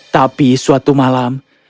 tapi suatu malam